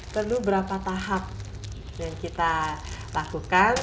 perlu berapa tahap yang kita lakukan